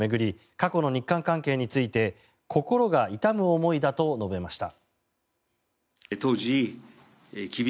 過去の日韓関係について心が痛む思いだと述べました。